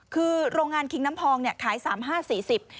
คือโรงงานคิงน้ำพองเนี่ยขายสามห้าสี่สิบ